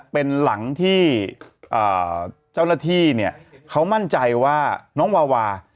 เป็นหลังที่เจ้าหน้าที่เขามั่นใจว่าน้องวาวา